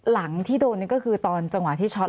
หลังที่โดนนี่ก็คือตอนจังหวะที่ช็อต